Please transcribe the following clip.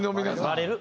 バレる。